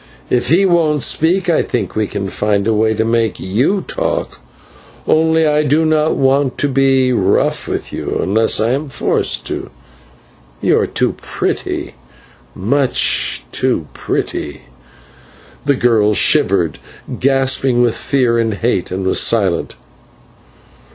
If he won't speak I think we can find a way to make you talk, only I do not want to be rough with you unless I am forced to it. You are too pretty, much too pretty." The girl shivered, gasping with fear and hate, and was silent.